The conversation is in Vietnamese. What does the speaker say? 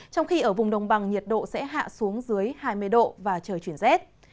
trong khi ở vùng đồng bằng nhiệt độ sẽ hạ xuống dưới hai mươi độ và trời chuyển rét